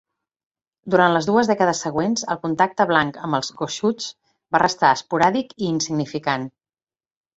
Durant les dues dècades següents, el contacte blanc amb els Goshutes va restar esporàdic i insignificant.